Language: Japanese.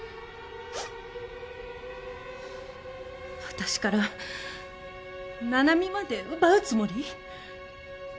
私から七海まで奪うつもり？